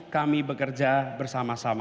kami bekerja bersama sama